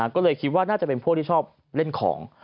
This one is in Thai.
ก็เลยคิดว่าน่าจะเป็นพวกที่ชอบเล่นของ